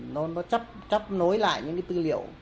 nó chấp nối lại những tư liệu